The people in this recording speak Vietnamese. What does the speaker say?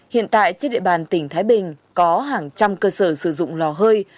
hiện tại trên địa bàn tỉnh thái bình có hàng trăm cơ sở sử dụng lò hơi